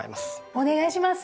お願いします！